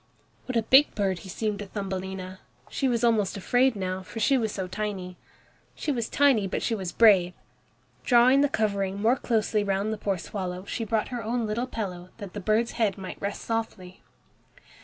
What a big bird he seemed to Thumbelina! She was almost afraid now, for she was so tiny. She was tiny, but she was brave. Drawing the covering more closely round the poor swallow, she brought her own little pillow, that the bird's head might rest softly.